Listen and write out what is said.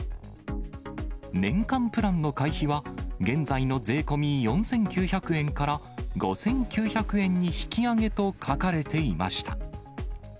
年間プランの会費は、現在の税込み４９００円から５９００円に引き上げと書かれていました。